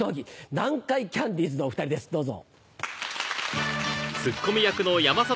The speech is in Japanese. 南海キャンディーズのお２人ですどうぞ。